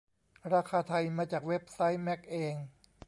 ราคาไทย มาจากเว็บไซค์แมคเอง